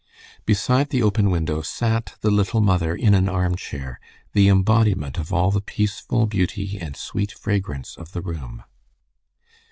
Beside the open window sat the little mother in an arm chair, the embodiment of all the peaceful beauty and sweet fragrance of the room.